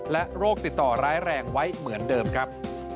โรคติดต่อร้ายแรงไว้เหมือนเดิมครับ